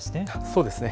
そうですね。